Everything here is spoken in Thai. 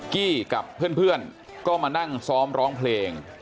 กี้กับเพื่อนก็มานั่งซ้อมร้องเพลง